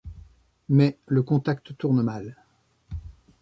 Mais, le contact tourne mal.